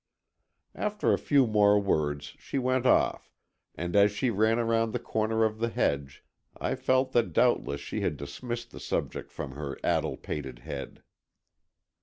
After a few more words she went off, and as she ran round the corner of the hedge I felt that doubtless she had dismissed the subject from her addle pated head.